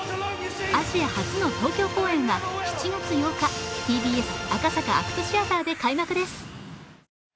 アジア初の東京公演は７月８日ＴＢＳ赤坂ＡＣＴシアターで開幕です。